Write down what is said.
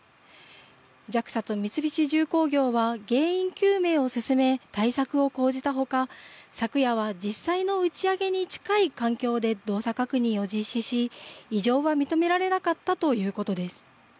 ＪＡＸＡと三菱重工業は原因究明を進め対策を講じたほか昨夜は実際の打ち上げに近い環境で動作確認を実施し異常は認められなかったということです。